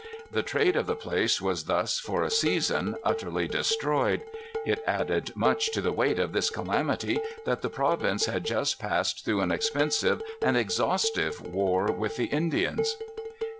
The trade of the place was thus, for a season, utterly destroyed. It added much to the weight of this calamity that the province had just passed through an expensive and exhaustive war with the Indians.